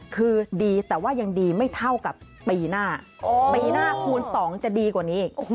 คือดีแต่ว่ายังดีไม่เท่ากับปีหน้าปีหน้าคูณ๒จะดีกว่านี้อีก